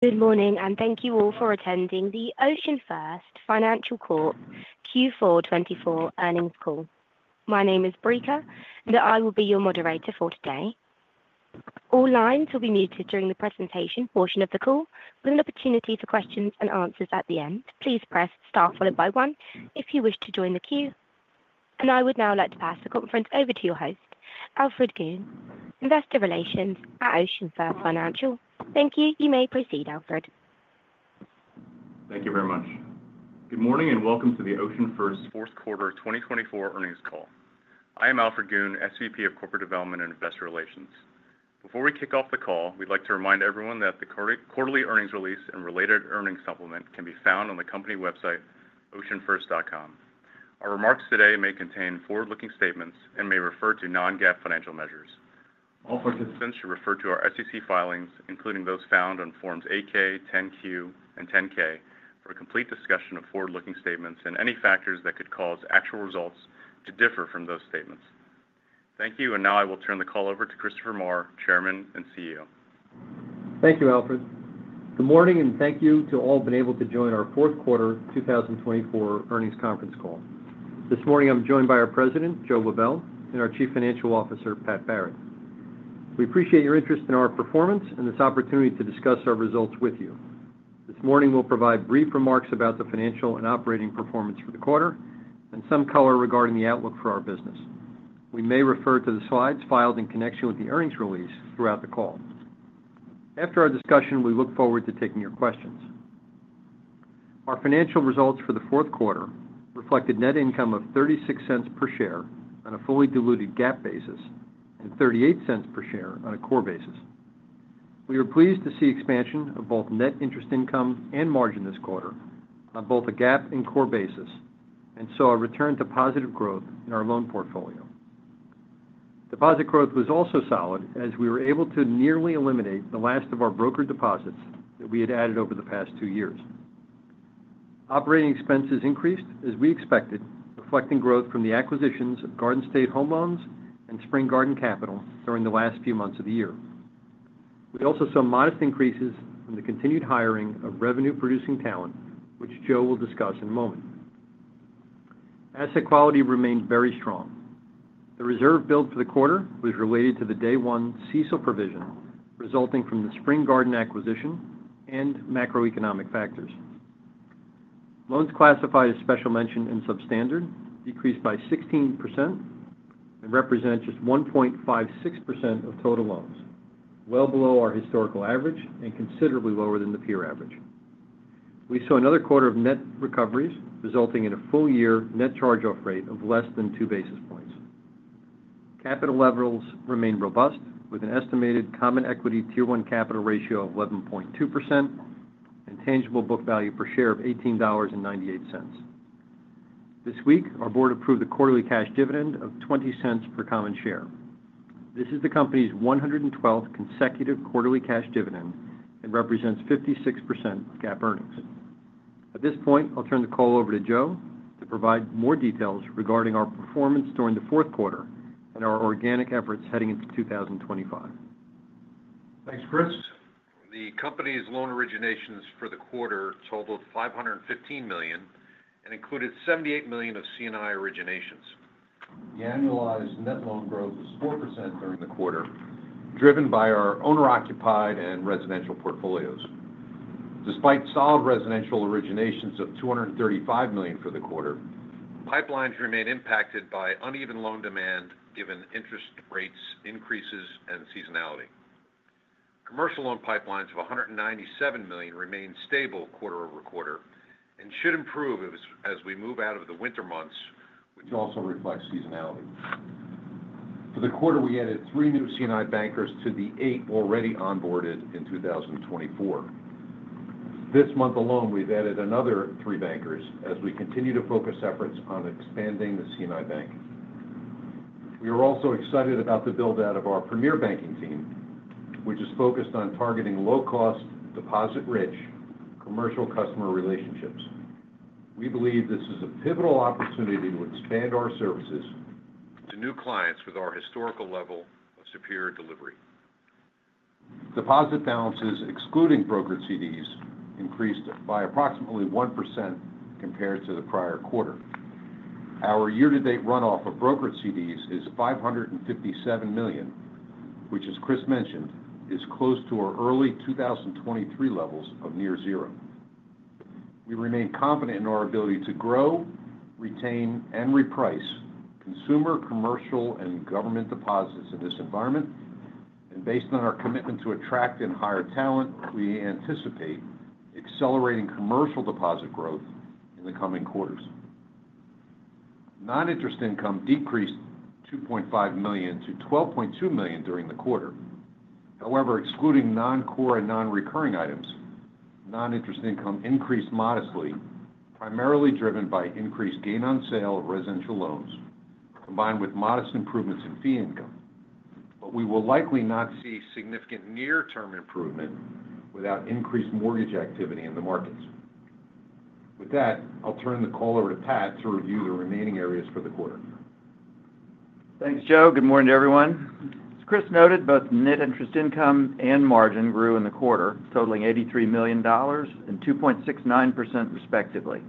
Good morning, and thank you all for attending the OceanFirst Financial Corp Q4 2024 Earnings Call. My name is Breaker, and I will be your moderator for today. All lines will be muted during the presentation portion of the call, with an opportunity for questions and answers at the end. Please press star followed by one if you wish to join the queue. And I would now like to pass the conference over to your host, Alfred Goon, Investor Relations at OceanFirst Financial. Thank you. You may proceed, Alfred. Thank you very much. Good morning and welcome to the OceanFirst Fourth Quarter 2024 earnings call. I am Alfred Goon, SVP of Corporate Development and Investor Relations. Before we kick off the call, we'd like to remind everyone that the quarterly earnings release and related earnings supplement can be found on the company website, oceanfirst.com. Our remarks today may contain forward-looking statements and may refer to non-GAAP financial measures. Alfred, please refer to our SEC filings, including those found on Forms 8-K, 10-Q, and 10-K, for a complete discussion of forward-looking statements and any factors that could cause actual results to differ from those statements. Thank you, and now I will turn the call over to Christopher Maher, Chairman and CEO. Thank you, Alfred. Good morning, and thank you to all who have been able to join our Fourth Quarter 2024 earnings conference call. This morning, I'm joined by our President, Joe Lebel, and our Chief Financial Officer, Pat Barrett. We appreciate your interest in our performance and this opportunity to discuss our results with you. This morning, we'll provide brief remarks about the financial and operating performance for the quarter and some color regarding the outlook for our business. We may refer to the slides filed in connection with the earnings release throughout the call. After our discussion, we look forward to taking your questions. Our financial results for the fourth quarter reflected net income of $0.36 per share on a fully diluted GAAP basis and $0.38 per share on a core basis. We are pleased to see expansion of both net interest income and margin this quarter on both a GAAP and core basis, and saw a return to positive growth in our loan portfolio. Deposit growth was also solid as we were able to nearly eliminate the last of our brokered deposits that we had added over the past two years. Operating expenses increased as we expected, reflecting growth from the acquisitions of Garden State Home Loans and Spring Garden Capital during the last few months of the year. We also saw modest increases in the continued hiring of revenue-producing talent, which Joe will discuss in a moment. Asset quality remained very strong. The reserve build for the quarter was related to the day-one CECL provision resulting from the Spring Garden acquisition and macroeconomic factors. Loans classified as special mention and substandard decreased by 16% and represent just 1.56% of total loans, well below our historical average and considerably lower than the peer average. We saw another quarter of net recoveries resulting in a full-year net charge-off rate of less than two basis points. Capital levels remained robust, with an estimated Common Equity Tier 1 capital ratio of 11.2% and tangible book value per share of $18.98. This week, our board approved the quarterly cash dividend of $0.20 per common share. This is the company's 112th consecutive quarterly cash dividend and represents 56% of GAAP earnings. At this point, I'll turn the call over to Joe to provide more details regarding our performance during the fourth quarter and our organic efforts heading into 2025. Thanks, Chris. The company's loan originations for the quarter totaled $515 million and included $78 million of C&I originations. The annualized net loan growth was 4% during the quarter, driven by our owner-occupied and residential portfolios. Despite solid residential originations of $235 million for the quarter, pipelines remain impacted by uneven loan demand given interest rate increases and seasonality. Commercial loan pipelines of $197 million remain stable quarter-over-quarter and should improve as we move out of the winter months, which also reflects seasonality. For the quarter, we added three new C&I bankers to the eight already onboarded in 2024. This month alone, we've added another three bankers as we continue to focus efforts on expanding the C&I bank. We are also excited about the build-out of our Premier Banking team, which is focused on targeting low-cost, deposit-rich commercial customer relationships. We believe this is a pivotal opportunity to expand our services to new clients with our historical level of superior delivery. Deposit balances, excluding brokered CDs, increased by approximately 1% compared to the prior quarter. Our year-to-date runoff of brokered CDs is $557 million, which, as Chris mentioned, is close to our early 2023 levels of near zero. We remain confident in our ability to grow, retain, and reprice consumer, commercial, and government deposits in this environment, and based on our commitment to attract and hire talent, we anticipate accelerating commercial deposit growth in the coming quarters. Non-interest income decreased $2.5 million to $12.2 million during the quarter. However, excluding non-core and non-recurring items, non-interest income increased modestly, primarily driven by increased gain-on-sale of residential loans combined with modest improvements in fee income, but we will likely not see significant near-term improvement without increased mortgage activity in the markets. With that, I'll turn the call over to Pat to review the remaining areas for the quarter. Thanks, Joe. Good morning to everyone. As Chris noted, both net interest income and margin grew in the quarter, totaling $83 million and 2.69% respectively.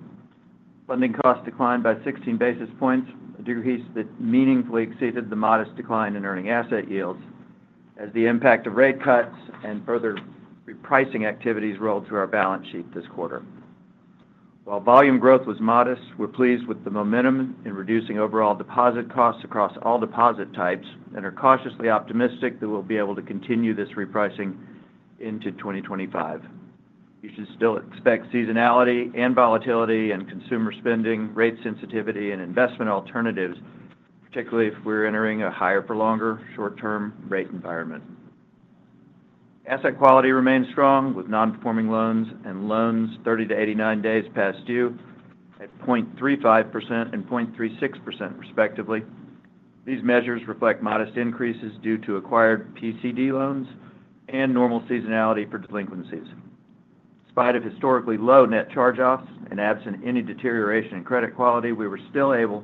Funding costs declined by 16 basis points, a decrease that meaningfully exceeded the modest decline in earning asset yields as the impact of rate cuts and further repricing activities rolled through our balance sheet this quarter. While volume growth was modest, we're pleased with the momentum in reducing overall deposit costs across all deposit types and are cautiously optimistic that we'll be able to continue this repricing into 2025. You should still expect seasonality and volatility in consumer spending, rate sensitivity, and investment alternatives, particularly if we're entering a higher-for-longer, short-term rate environment. Asset quality remains strong with non-performing loans and loans 30 to 89 days past due at 0.35% and 0.36% respectively. These measures reflect modest increases due to acquired PCD loans and normal seasonality for delinquencies. In spite of historically low net charge-offs and absent any deterioration in credit quality, we were still able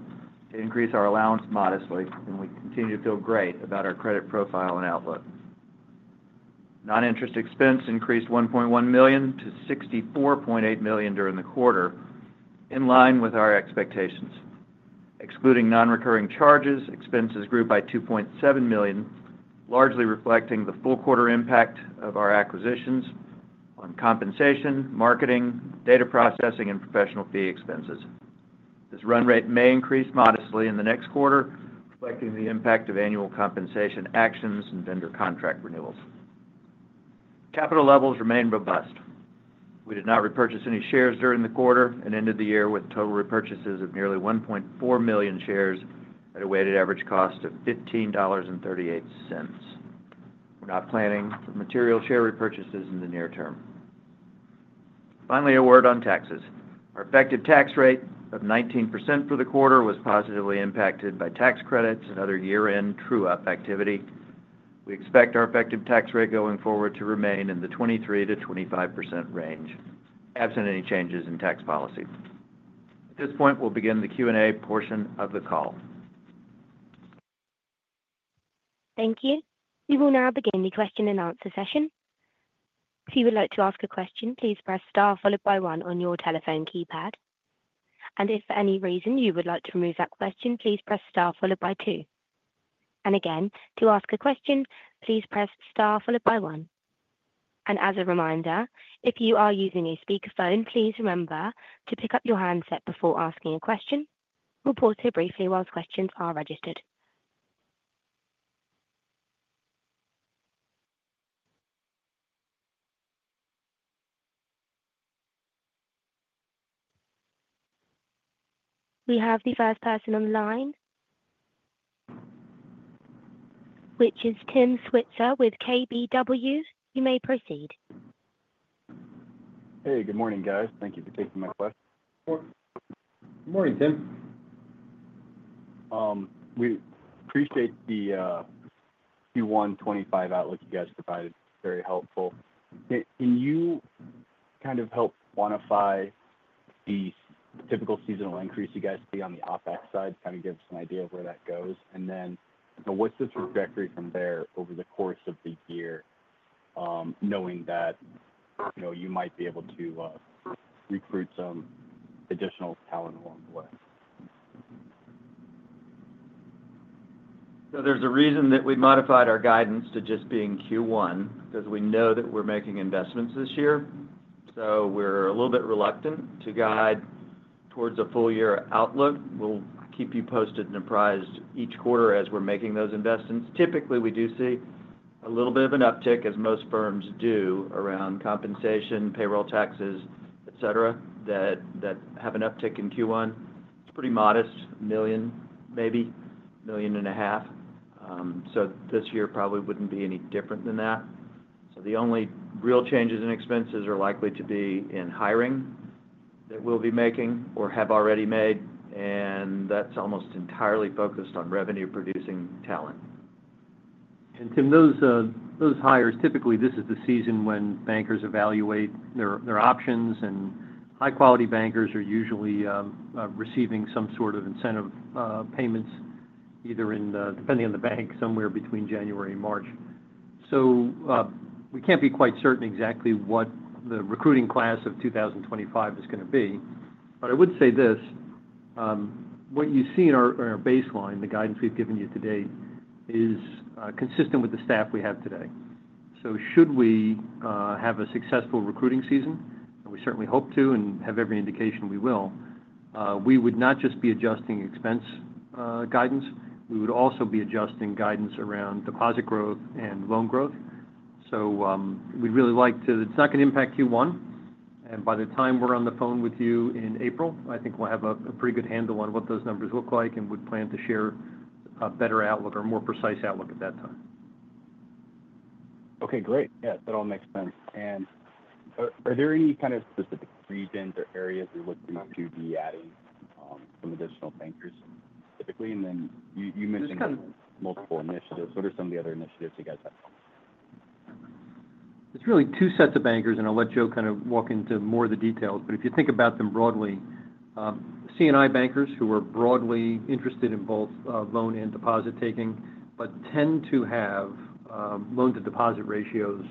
to increase our allowance modestly, and we continue to feel great about our credit profile and outlook. Non-interest expense increased $1.1 million to $64.8 million during the quarter, in line with our expectations. Excluding non-recurring charges, expenses grew by $2.7 million, largely reflecting the full quarter impact of our acquisitions on compensation, marketing, data processing, and professional fee expenses. This run rate may increase modestly in the next quarter, reflecting the impact of annual compensation actions and vendor contract renewals. Capital levels remain robust. We did not repurchase any shares during the quarter and ended the year with total repurchases of nearly 1.4 million shares at a weighted average cost of $15.38. We're not planning for material share repurchases in the near term. Finally, a word on taxes. Our effective tax rate of 19% for the quarter was positively impacted by tax credits and other year-end true-up activity. We expect our effective tax rate going forward to remain in the 23%-25% range, absent any changes in tax policy. At this point, we'll begin the Q&A portion of the call. Thank you. We will now begin the question-and-answer session. If you would like to ask a question, please press star followed by one on your telephone keypad. And if for any reason you would like to remove that question, please press star followed by two. And again, to ask a question, please press star followed by one. And as a reminder, if you are using a speakerphone, please remember to pick up your handset before asking a question. We'll pause here briefly while questions are registered. We have the first person on the line, which is Tim Switzer with KBW. You may proceed. Hey, good morning, guys. Thank you for taking my question. Good morning, Tim. We appreciate the Q1 2025 outlook you guys provided. Very helpful. Can you kind of help quantify the typical seasonal increase you guys see on the OpEx side, kind of give us an idea of where that goes? And then what's the trajectory from there over the course of the year, knowing that you might be able to recruit some additional talent along the way? There's a reason that we modified our guidance to just being Q1 because we know that we're making investments this year. We're a little bit reluctant to guide towards a full-year outlook. We'll keep you posted and apprised each quarter as we're making those investments. Typically, we do see a little bit of an uptick, as most firms do, around compensation, payroll taxes, etc., that have an uptick in Q1. It's pretty modest, $1 million, maybe $1.5 million. This year probably wouldn't be any different than that. The only real changes in expenses are likely to be in hiring that we'll be making or have already made, and that's almost entirely focused on revenue-producing talent. Tim, those hires, typically, this is the season when bankers evaluate their options, and high-quality bankers are usually receiving some sort of incentive payments, either depending on the bank, somewhere between January and March. So we can't be quite certain exactly what the recruiting class of 2025 is going to be. But I would say this: what you see in our baseline, the guidance we've given you today, is consistent with the staff we have today. So should we have a successful recruiting season, and we certainly hope to and have every indication we will, we would not just be adjusting expense guidance. We would also be adjusting guidance around deposit growth and loan growth. So we'd really like to. It's not going to impact Q1. By the time we're on the phone with you in April, I think we'll have a pretty good handle on what those numbers look like and would plan to share a better outlook or a more precise outlook at that time. Okay, great. Yeah, that all makes sense, and are there any kind of specific regions or areas you're looking to be adding some additional bankers? Typically, and then you mentioned multiple initiatives. What are some of the other initiatives you guys have? It's really two sets of bankers, and I'll let Joe kind of walk into more of the details. But if you think about them broadly, C&I bankers who are broadly interested in both loan and deposit taking but tend to have loan-to-deposit ratios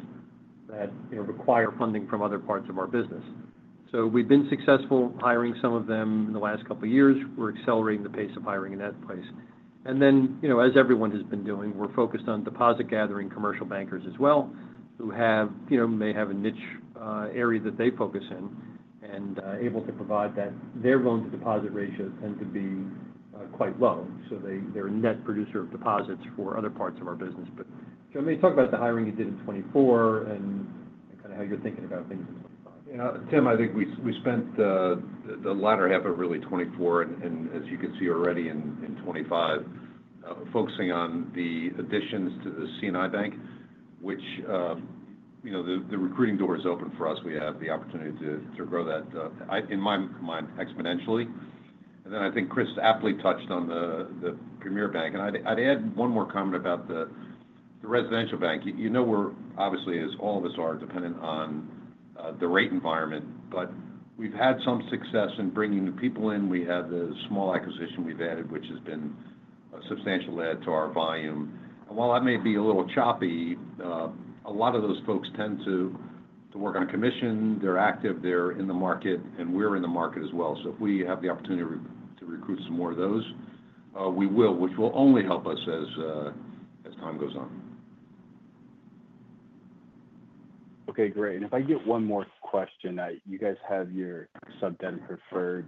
that require funding from other parts of our business. So we've been successful hiring some of them in the last couple of years. We're accelerating the pace of hiring in that place. And then, as everyone has been doing, we're focused on deposit-gathering commercial bankers as well who may have a niche area that they focus in and are able to provide that. Their loan-to-deposit ratios tend to be quite low, so they're a net producer of deposits for other parts of our business. But Joe, maybe talk about the hiring you did in 2024 and kind of how you're thinking about things in 2025. Yeah, Tim, I think we spent the latter half of really 2024, and as you can see already in 2025, focusing on the additions to the C&I bank, which the recruiting door is open for us. We have the opportunity to grow that, in my mind, exponentially. And then I think Chris aptly touched on the premier bank. And I'd add one more comment about the residential bank. You know we're, obviously, as all of us are, dependent on the rate environment, but we've had some success in bringing the people in. We had a small acquisition we've added, which has been a substantial add to our volume. And while that may be a little choppy, a lot of those folks tend to work on a commission. They're active. They're in the market, and we're in the market as well. So if we have the opportunity to recruit some more of those, we will, which will only help us as time goes on. Okay, great, and if I get one more question, you guys have your sub-debt preferred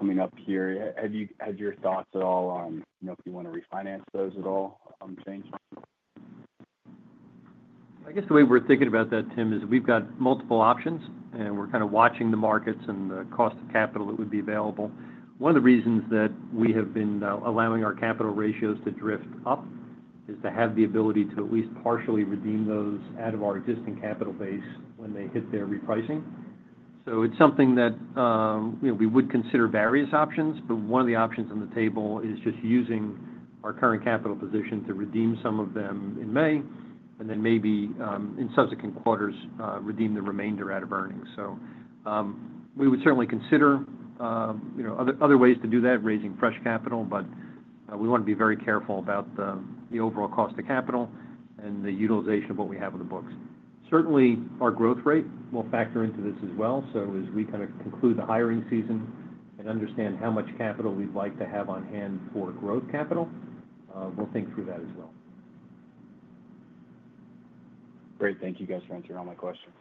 coming up here. Have you had your thoughts at all on if you want to refinance those at all, change? I guess the way we're thinking about that, Tim, is we've got multiple options, and we're kind of watching the markets and the cost of capital that would be available. One of the reasons that we have been allowing our capital ratios to drift up is to have the ability to at least partially redeem those out of our existing capital base when they hit their repricing. So it's something that we would consider various options, but one of the options on the table is just using our current capital position to redeem some of them in May and then maybe, in subsequent quarters, redeem the remainder out of earnings. So we would certainly consider other ways to do that, raising fresh capital, but we want to be very careful about the overall cost of capital and the utilization of what we have in the books. Certainly, our growth rate will factor into this as well. So as we kind of conclude the hiring season and understand how much capital we'd like to have on hand for growth capital, we'll think through that as well. Great. Thank you guys for answering all my questions.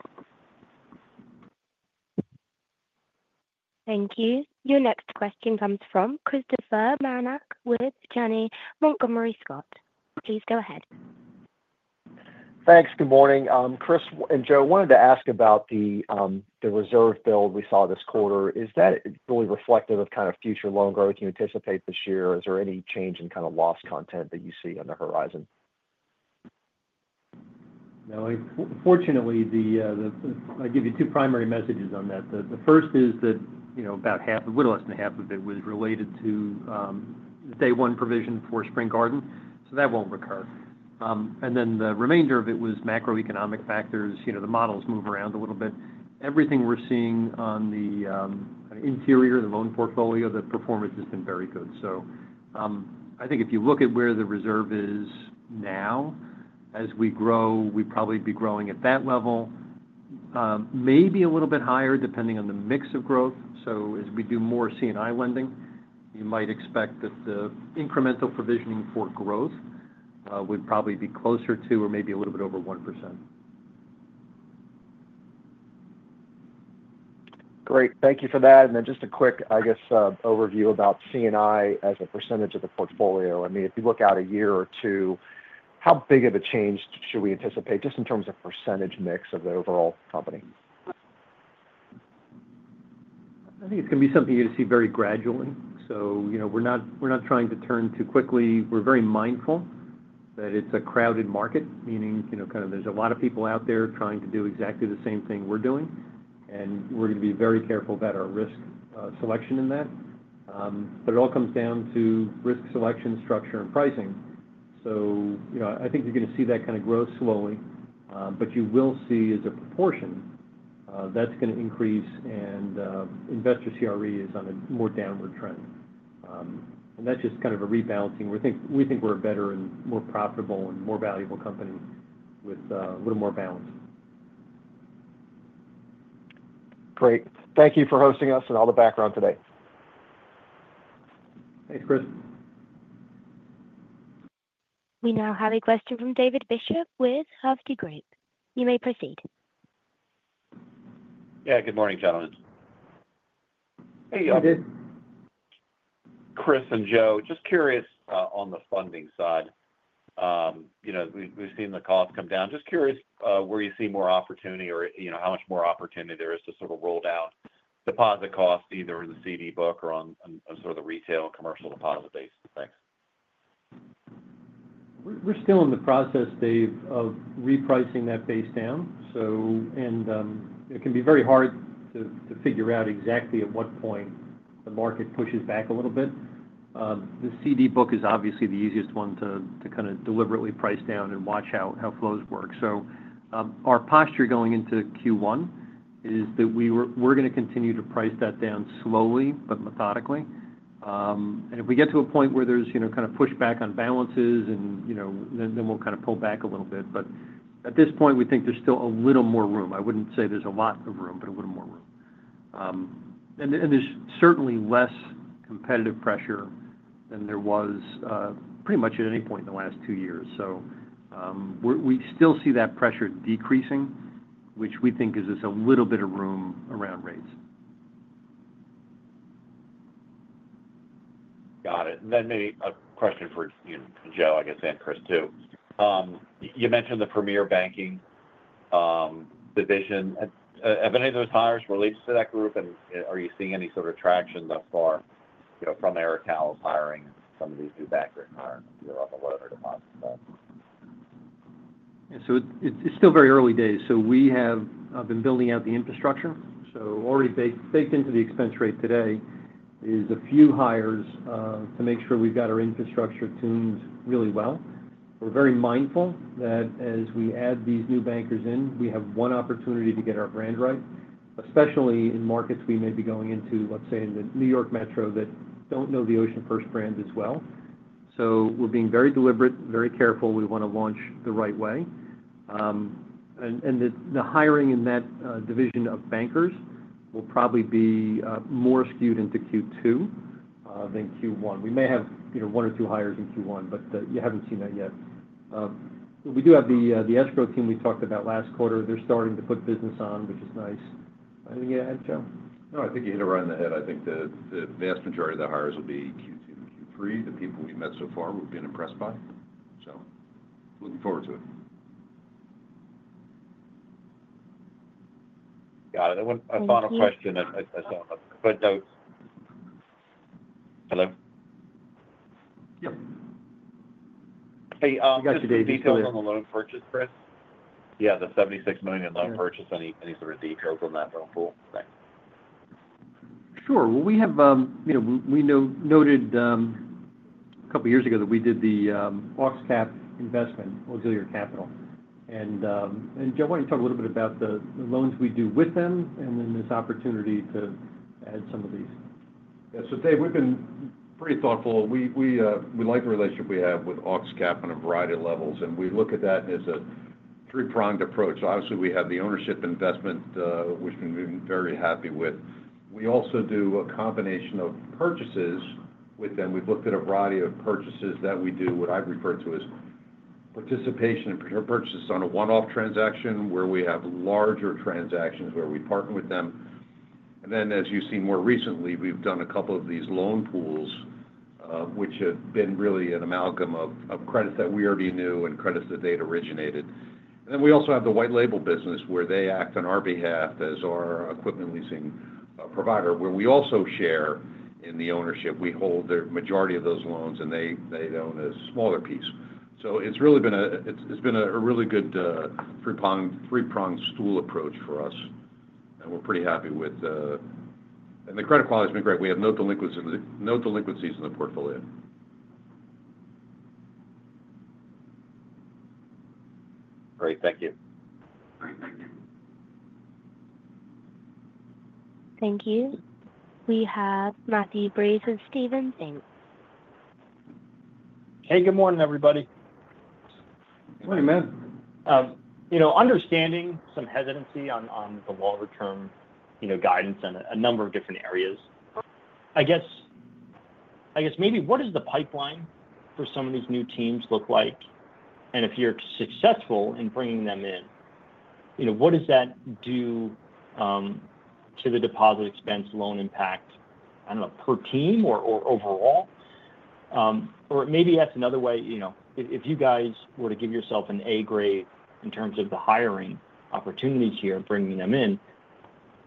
Thank you. Your next question comes from Christopher Marinac with Janney Montgomery Scott. Please go ahead. Thanks. Good morning. Chris and Joe, I wanted to ask about the reserve build we saw this quarter. Is that really reflective of kind of future loan growth you anticipate this year? Is there any change in kind of loss content that you see on the horizon? No. Fortunately, I'll give you two primary messages on that. The first is that about half, a little less than half of it, was related to the day-one provision for Spring Garden, so that won't recur. And then the remainder of it was macroeconomic factors. The models move around a little bit. Everything we're seeing on the interior, the loan portfolio, the performance has been very good. So I think if you look at where the reserve is now, as we grow, we'd probably be growing at that level, maybe a little bit higher depending on the mix of growth. So as we do more C&I lending, you might expect that the incremental provisioning for growth would probably be closer to or maybe a little bit over 1%. Great. Thank you for that. And then just a quick, I guess, overview about C&I as a percentage of the portfolio. I mean, if you look out a year or two, how big of a change should we anticipate just in terms of percentage mix of the overall company? I think it's going to be something you're going to see very gradually, so we're not trying to turn too quickly. We're very mindful that it's a crowded market, meaning, kind of, there's a lot of people out there trying to do exactly the same thing we're doing, and we're going to be very careful about our risk selection in that, but it all comes down to risk selection, structure, and pricing, so I think you're going to see that kind of grow slowly, but you will see, as a proportion, that's going to increase, and investor CRE is on a more downward trend, and that's just kind of a rebalancing. We think we're a better and more profitable and more valuable company with a little more balance. Great. Thank you for hosting us and all the background today. Thanks, Chris. We now have a question from David Bishop with Hovde Group. You may proceed. Yeah. Good morning, gentlemen. Hey, David. Chris and Joe, just curious on the funding side. We've seen the cost come down. Just curious where you see more opportunity or how much more opportunity there is to sort of roll down deposit costs either in the CD book or on sort of the retail and commercial deposit base? Thanks. We're still in the process, David, of repricing that face-down, and it can be very hard to figure out exactly at what point the market pushes back a little bit. The CD book is obviously the easiest one to kind of deliberately price down and watch how flows work, so our posture going into Q1 is that we're going to continue to price that down slowly but methodically. If we get to a point where there's kind of pushback on balances, then we'll kind of pull back a little bit, but at this point, we think there's still a little more room. I wouldn't say there's a lot of room, but a little more room, and there's certainly less competitive pressure than there was pretty much at any point in the last two years. So we still see that pressure decreasing, which we think is just a little bit of room around rates. Got it. And then maybe a question for Joe, I guess, and Chris too. You mentioned the Premier Banking division. Have any of those hires related to that group? And are you seeing any sort of traction thus far from Eric Howe's hiring some of these new bankers on whatever deposit? It's still very early days. We have been building out the infrastructure. Already baked into the expense rate today is a few hires to make sure we've got our infrastructure tuned really well. We're very mindful that as we add these new bankers in, we have one opportunity to get our brand right, especially in markets we may be going into, let's say, in the New York Metro that don't know the OceanFirst brand as well. We're being very deliberate, very careful. We want to launch the right way. The hiring in that division of bankers will probably be more skewed into Q2 than Q1. We may have one or two hires in Q1, but you haven't seen that yet. We do have the escrow team we talked about last quarter. They're starting to put business on, which is nice. Anything you add, Joe? No, I think you hit it right on the head. I think the vast majority of the hires will be Q2 and Q3, the people we've met so far who've been impressed by. So looking forward to it. Got it. A final question. I saw a good note. Hello? Yep. Hey, you got the details on the loan purchase, Chris? Yeah, the $76 million in loan purchase. Any sort of details on that loan pool? Thanks. Sure. Well, we have noted a couple of years ago that we did the AuxCap investment, Auxilior Capital. And Joe, why don't you talk a little bit about the loans we do with them and then this opportunity to add some of these? Yeah. So David, we've been pretty thoughtful. We like the relationship we have with AuxCap on a variety of levels, and we look at that as a three-pronged approach. Obviously, we have the ownership investment, which we've been very happy with. We also do a combination of purchases with them. We've looked at a variety of purchases that we do what I've referred to as participation in purchases on a one-off transaction where we have larger transactions where we partner with them. And then, as you've seen more recently, we've done a couple of these loan pools, which have been really an amalgam of credits that we already knew and credits that they'd originated. And then we also have the white-label business where they act on our behalf as our equipment leasing provider, where we also share in the ownership. We hold the majority of those loans, and they own a smaller piece. So it's really been a really good three-pronged stool approach for us, and we're pretty happy with the credit quality, and the credit quality has been great. We have no delinquencies in the portfolio. Great. Thank you. Thank you. We have Matthew Breese with Stephens Inc. Thanks. Hey, good morning, everybody. Morning, man. Understanding some hesitancy on the longer-term guidance in a number of different areas. I guess maybe what does the pipeline for some of these new teams look like? And if you're successful in bringing them in, what does that do to the deposit expense loan impact, I don't know, per team or overall? Or maybe that's another way. If you guys were to give yourself an A grade in terms of the hiring opportunities here, bringing them in,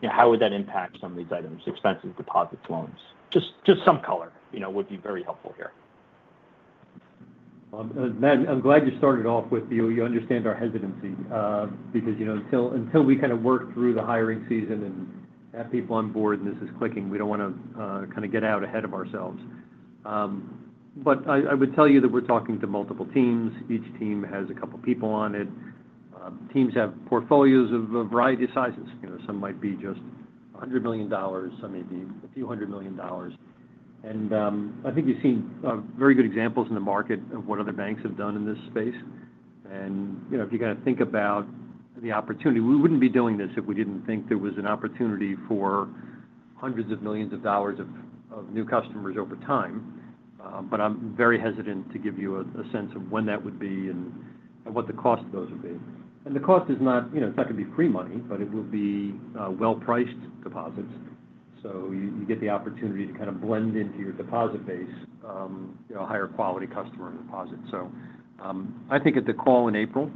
how would that impact some of these items, expenses, deposits, loans? Just some color would be very helpful here. I'm glad you started off with you understand our hesitancy because until we kind of work through the hiring season and have people on board and this is clicking, we don't want to kind of get out ahead of ourselves. But I would tell you that we're talking to multiple teams. Each team has a couple of people on it. Teams have portfolios of a variety of sizes. Some might be just $100 million. Some may be a few hundred million dollars. And I think you've seen very good examples in the market of what other banks have done in this space. And if you kind of think about the opportunity, we wouldn't be doing this if we didn't think there was an opportunity for hundreds of millions of dollars of new customers over time. But I'm very hesitant to give you a sense of when that would be and what the cost of those would be. And the cost is not it's not going to be free money, but it will be well-priced deposits. So you get the opportunity to kind of blend into your deposit base, a higher quality customer deposit. So I think at the call in April,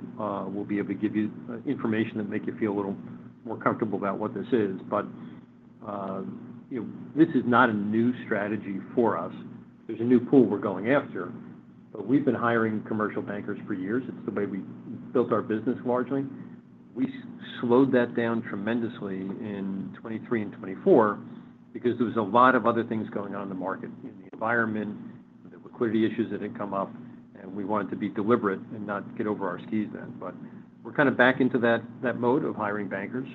we'll be able to give you information that makes you feel a little more comfortable about what this is. But this is not a new strategy for us. There's a new pool we're going after. But we've been hiring commercial bankers for years. It's the way we built our business largely. We slowed that down tremendously in 2023 and 2024 because there was a lot of other things going on in the market, in the environment, the liquidity issues that had come up. And we wanted to be deliberate and not get over our skis then. But we're kind of back into that mode of hiring bankers.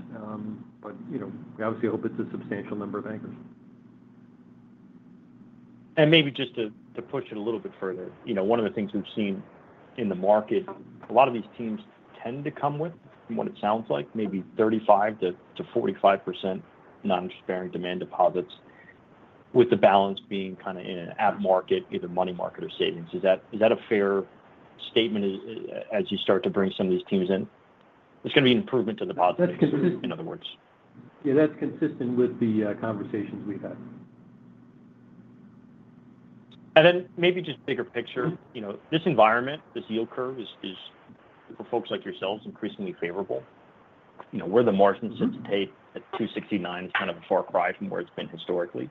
But we obviously hope it's a substantial number of bankers. And maybe just to push it a little bit further, one of the things we've seen in the market, a lot of these teams tend to come with, from what it sounds like, maybe 35%-45% non-expiring demand deposits, with the balance being kind of in at market, either money market or savings. Is that a fair statement as you start to bring some of these teams in? It's going to be an improvement to the positive, in other words. Yeah, that's consistent with the conversations we've had. And then, maybe, just bigger picture. This environment, this yield curve, is for folks like yourselves increasingly favorable. Where the margin sits at 269 is kind of a far cry from where it's been historically.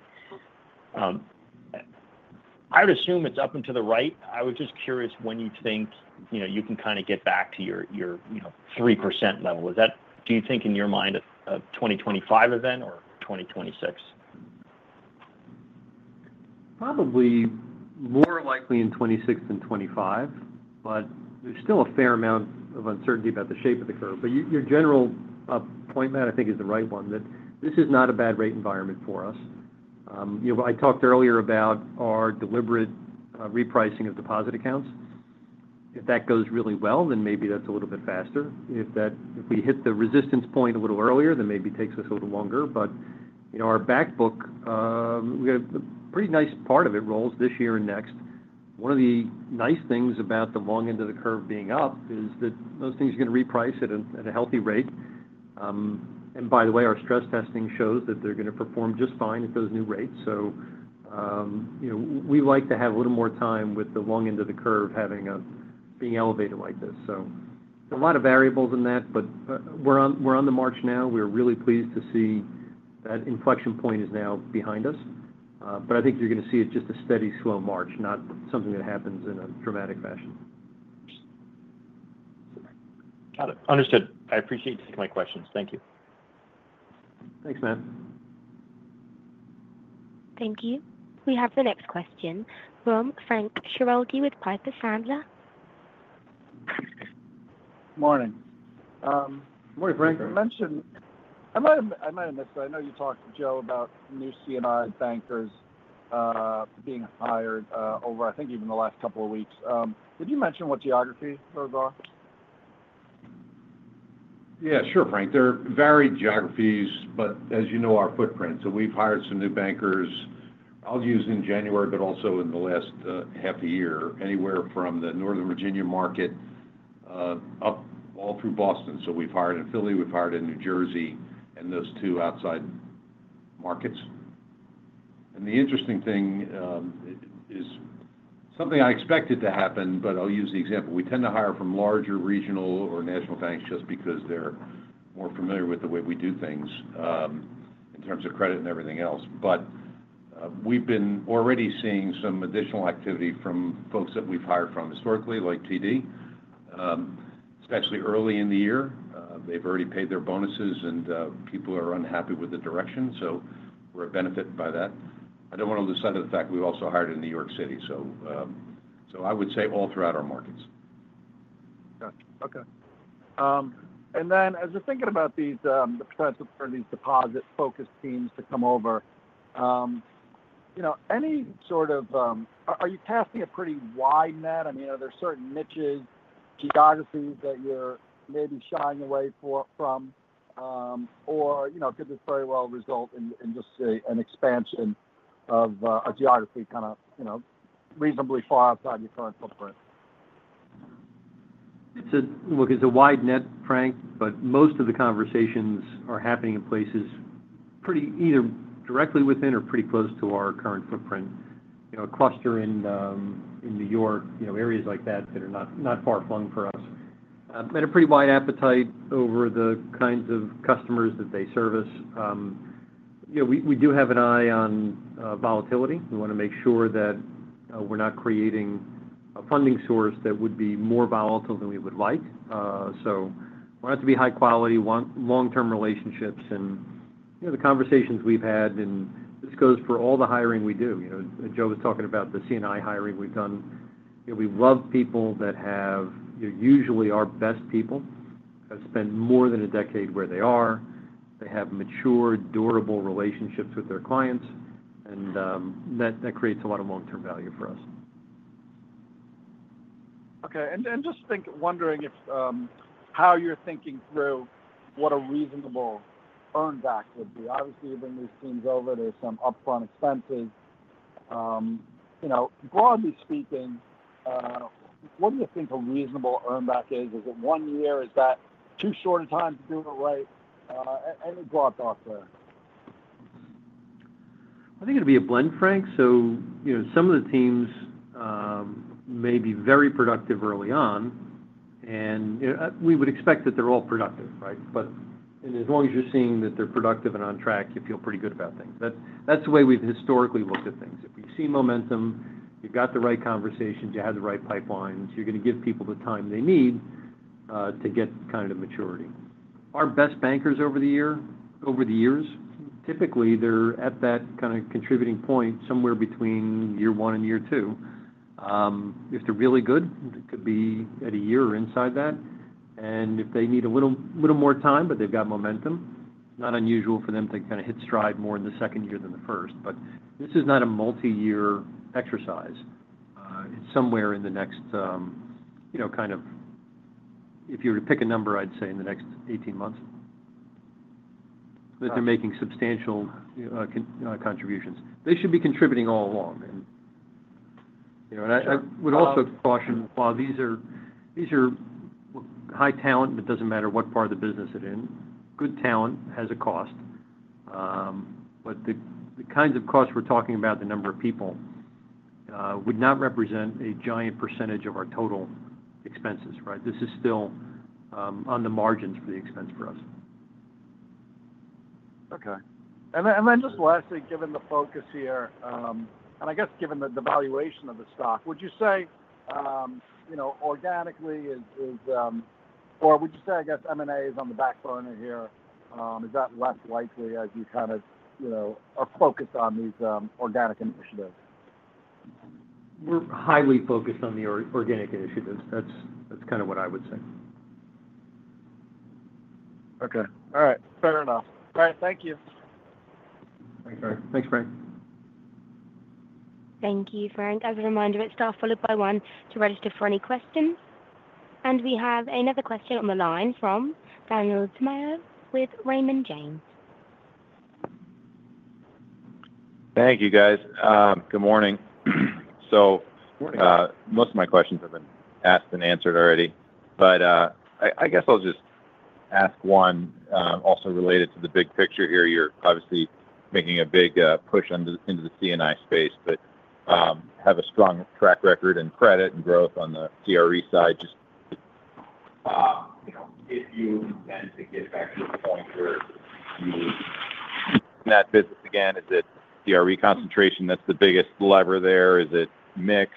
I would assume it's up and to the right. I was just curious when you think you can kind of get back to your 3% level. Do you think in your mind a 2025 event or 2026? Probably more likely in 2026 than 2025, but there's still a fair amount of uncertainty about the shape of the curve. But your general point, Matt, I think is the right one, that this is not a bad rate environment for us. I talked earlier about our deliberate repricing of deposit accounts. If that goes really well, then maybe that's a little bit faster. If we hit the resistance point a little earlier, then maybe it takes us a little longer. But our backbook, we got a pretty nice part of it rolls this year and next. One of the nice things about the long end of the curve being up is that those things are going to reprice at a healthy rate. And by the way, our stress testing shows that they're going to perform just fine at those new rates. So we like to have a little more time with the long end of the curve being elevated like this. So a lot of variables in that, but we're on the march now. We're really pleased to see that inflection point is now behind us. But I think you're going to see it just a steady, slow march, not something that happens in a dramatic fashion. Got it. Understood. I appreciate you taking my questions. Thank you. Thanks, Matt. Thank you. We have the next question from Frank Schiraldi with Piper Sandler. Morning. Morning, Frank. I might have missed it. I know you talked to Joe about new C&I bankers being hired over, I think, even the last couple of weeks. Did you mention what geographies those are? Yeah, sure, Frank. They're varied geographies, but as you know, our footprint. So we've hired some new bankers, I'll use in January, but also in the last half a year, anywhere from the Northern Virginia market up all through Boston. So we've hired in Philly. We've hired in New Jersey and those two outside markets. And the interesting thing is something I expected to happen, but I'll use the example. We tend to hire from larger regional or national banks just because they're more familiar with the way we do things in terms of credit and everything else. But we've been already seeing some additional activity from folks that we've hired from historically, like TD, especially early in the year. They've already paid their bonuses, and people are unhappy with the direction. So we're a benefit by that. I don't want to lose sight of the fact we've also hired in New York City, so I would say all throughout our markets. Got it. Okay. And then as you're thinking about these deposit-focused teams to come over, any sort of, are you casting a pretty wide net? I mean, are there certain niches, geographies that you're maybe shying away from, or could this very well result in just an expansion of a geography kind of reasonably far outside your current footprint? It's a wide net, Frank, but most of the conversations are happening in places either directly within or pretty close to our current footprint, a cluster in New York, areas like that that are not far flung from us, and a pretty wide appetite over the kinds of customers that they service. We do have an eye on volatility. We want to make sure that we're not creating a funding source that would be more volatile than we would like, so we want it to be high quality, long-term relationships. The conversations we've had, and this goes for all the hiring we do. Joe was talking about the C&I hiring we've done. We love people that have usually our best people that have spent more than a decade where they are. They have mature, durable relationships with their clients. That creates a lot of long-term value for us. Okay. And just wondering how you're thinking through what a reasonable earnback would be. Obviously, you bring these teams over. There's some upfront expenses. Broadly speaking, what do you think a reasonable earnback is? Is it one year? Is that too short a time to do it right? Any thoughts out there? I think it'll be a blend, Frank, so some of the teams may be very productive early on, and we would expect that they're all productive, right, but as long as you're seeing that they're productive and on track, you feel pretty good about things. That's the way we've historically looked at things. If we've seen momentum, you've got the right conversations, you have the right pipelines, you're going to give people the time they need to get kind of maturity. Our best bankers over the years, typically, they're at that kind of contributing point somewhere between year one and year two. If they're really good, it could be at a year or inside that, and if they need a little more time, but they've got momentum, it's not unusual for them to kind of hit stride more in the second year than the first. But this is not a multi-year exercise. It's somewhere in the next kind of, if you were to pick a number, I'd say in the next 18 months, that they're making substantial contributions. They should be contributing all along. And I would also caution, while these are high talent, it doesn't matter what part of the business they're in. Good talent has a cost. But the kinds of costs we're talking about, the number of people, would not represent a giant percentage of our total expenses, right? This is still on the margins for the expense for us. Okay. And then just lastly, given the focus here, and I guess given the valuation of the stock, would you say organically is or would you say, I guess, M&A is on the back burner here? Is that less likely as you kind of are focused on these organic initiatives? We're highly focused on the organic initiatives. That's kind of what I would say. Okay. All right. Fair enough. All right. Thank you. Thanks, Frank. Thanks, Frank. Thank you, Frank. As a reminder, it's star followed by one to register for any questions. And we have another question on the line from Daniel Tamayo with Raymond James. Thank you, guys. Good morning. So most of my questions have been asked and answered already. But I guess I'll just ask one also related to the big picture here. You're obviously making a big push into the C&I space, but have a strong track record and credit and growth on the CRE side. Just if you intend to get back to the point where you're in that business again, is it CRE concentration that's the biggest lever there? Is it mix?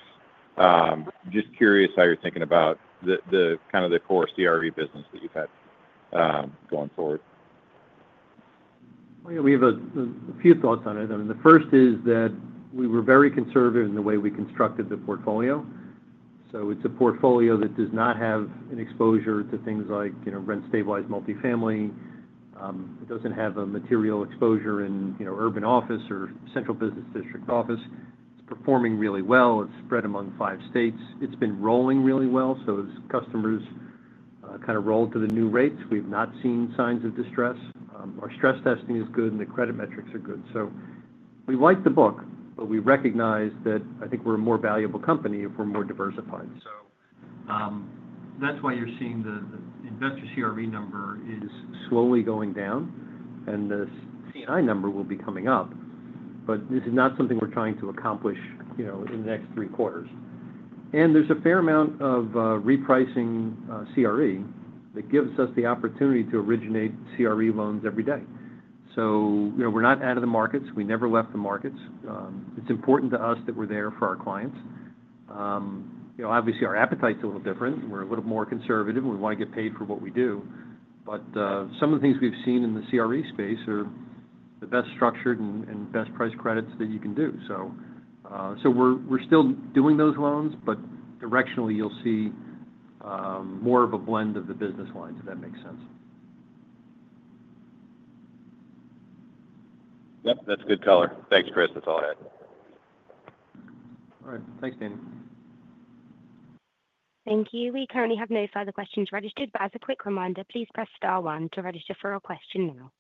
Just curious how you're thinking about kind of the core CRE business that you've had going forward? We have a few thoughts on it. I mean, the first is that we were very conservative in the way we constructed the portfolio. So it's a portfolio that does not have an exposure to things like rent-stabilized multifamily. It doesn't have a material exposure in urban office or central business district office. It's performing really well. It's spread among five states. It's been rolling really well. So as customers kind of roll to the new rates, we've not seen signs of distress. Our stress testing is good, and the credit metrics are good. So we like the book, but we recognize that I think we're a more valuable company if we're more diversified. So that's why you're seeing the investor CRE number is slowly going down, and the C&I number will be coming up. But this is not something we're trying to accomplish in the next three quarters. There's a fair amount of repricing CRE that gives us the opportunity to originate CRE loans every day. We're not out of the markets. We never left the markets. It's important to us that we're there for our clients. Obviously, our appetite's a little different. We're a little more conservative, and we want to get paid for what we do. Some of the things we've seen in the CRE space are the best structured and best price credits that you can do. We're still doing those loans, but directionally, you'll see more of a blend of the business lines, if that makes sense. Yep. That's good color. Thanks, Chris. That's all I had. All right. Thanks, Daniel. Thank you. We currently have no further questions registered. But as a quick reminder, please press star one to register for a question now.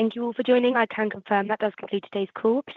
Thank you all for joining. I can confirm that does complete today's call.